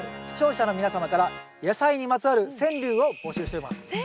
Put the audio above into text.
視聴者の皆様から野菜にまつわる川柳を募集しております。